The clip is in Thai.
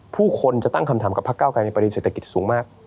ผู้คนจะตั้งคำถามกับพระเก้าไกรในประเด็นเศรษฐกิจสูงมาก